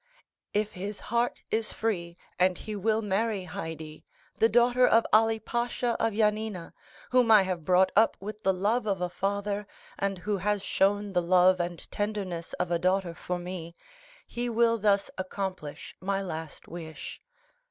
If his heart is free, and he will marry Haydée, the daughter of Ali Pasha of Yanina, whom I have brought up with the love of a father, and who has shown the love and tenderness of a daughter for me, he will thus accomplish my last wish.